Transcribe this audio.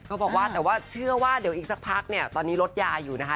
เขาบอกว่าแต่ว่าเชื่อว่าเดี๋ยวอีกสักพักเนี่ยตอนนี้ลดยาอยู่นะคะ